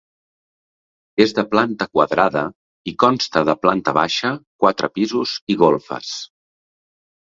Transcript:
És de planta quadrada i consta de planta baixa, quatre pisos i golfes.